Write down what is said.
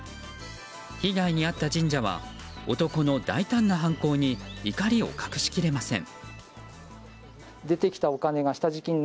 被害に遭った神社は男の大胆な犯行に怒りを隠しきれません。